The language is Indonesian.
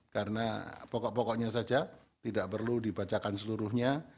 karena pokok pokoknya saja tidak perlu dibacakan seluruhnya